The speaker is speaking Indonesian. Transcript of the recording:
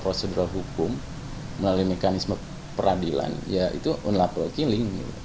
pembangunan di luar hukum melalui mekanisme peradilan ya itu unlapel killing